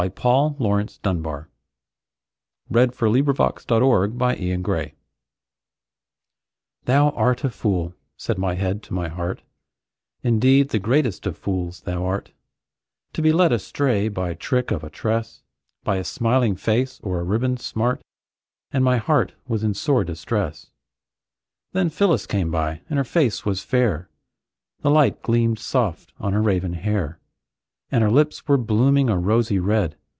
Paul Laurence Dunbar Retort THOU art a fool," said my head to my heart, "Indeed, the greatest of fools thou art, To be led astray by trick of a tress, By a smiling face or a ribbon smart;" And my heart was in sore distress. Then Phyllis came by, and her face was fair, The light gleamed soft on her raven hair; And her lips were blooming a rosy red.